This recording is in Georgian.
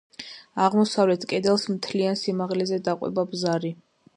აღმოსავლეთ კედელს მთლიან სიმაღლეზე დაყვება ბზარი.